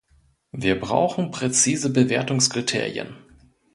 Wir brauchen präzise Bewertungskriterien.